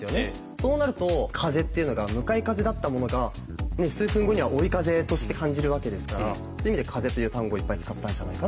そうなると風っていうのが向かい風だったものが数分後には追い風として感じるわけですからそういう意味で「風」という単語いっぱい使ったんじゃないかなと思いました。